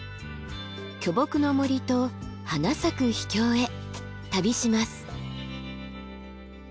巨木の森と花咲く秘境へ旅します。